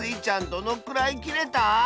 どのくらいきれた？